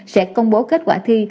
sẽ công bố kết quả thi